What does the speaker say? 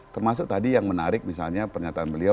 termasuk tadi yang menarik misalnya pernyataan beliau